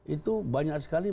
itu banyak sekali